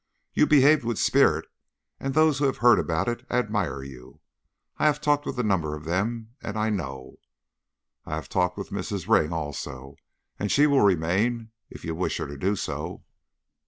You behaved with spirit, and those who have heard about it admire you. I have talked with a number of them, and I know. I had a talk with Mrs. Ring also, and she will remain if you wish her to do so."